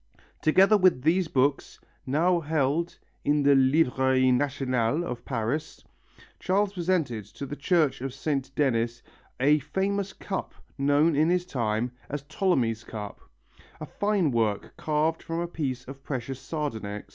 Together with these books, now kept in the Librairie Nationale of Paris, Charles presented to the Church of Saint Denis a famous cup known in his time as Ptolemy's cup, a fine work carved from a piece of precious sardonyx.